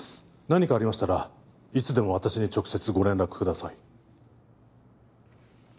何かありましたらいつでも私に直接ご連絡ください